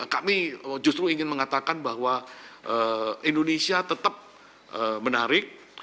kami justru ingin mengatakan bahwa indonesia tetap menarik